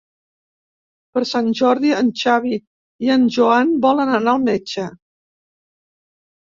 Per Sant Jordi en Xavi i en Joan volen anar al metge.